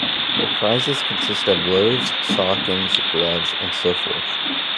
The prizes consist of loaves, stockings, gloves, and so forth.